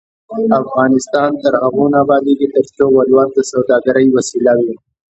افغانستان تر هغو نه ابادیږي، ترڅو ولور د سوداګرۍ وسیله وي.